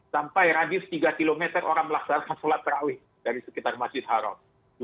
sampai radius tiga km orang melaksanakan sholat terawih dari sekitar masjid haram